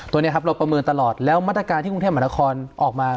ตัวนี้ครับเราประเมินตลอดแล้วมาตรการที่กรุงเทพมหานครออกมา